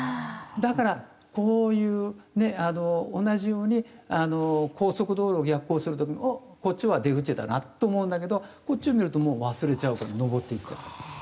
だからこういうね同じように高速道路を逆行する時もあっこっちは出口だなと思うんだけどこっちを見ると忘れちゃうから上っていっちゃう。